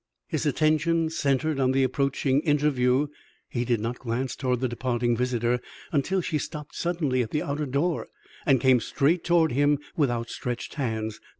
His attention centred on the approaching interview, he did not glance toward the departing visitor until she stopped suddenly at the outer door, and came straight toward him with outstretched hands.